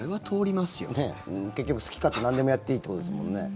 結局、好き勝手なんでもやっていいってことですもんね。